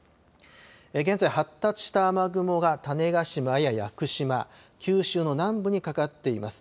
現在、発達した雨雲が種子島や屋久島、九州の南部にかかっています。